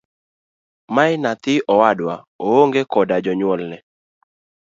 Mae nyathi owadwa oong'e koda jonyuolne.